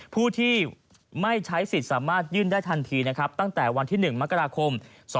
ผู้ที่ไม่ใช้สิทธิ์สามารถยื่นได้ทันทีนะครับตั้งแต่วันที่๑มกราคม๒๕๖